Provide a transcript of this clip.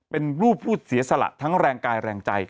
เป็นรูปผู้เสียสละทั้งแรงกายแรงใจ